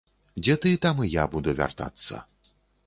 Дзе ты, там і я буду вяртацца.